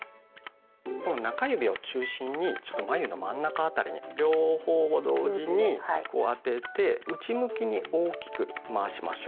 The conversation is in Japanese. この中指を中心にちょっと眉の真ん中辺りに両方を同時にこう当てて内向きに大きく回しましょう。